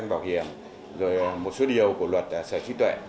kinh doanh bảo hiểm rồi một số điều của luật sở trí tuệ